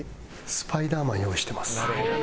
スパイダーマン用意してます。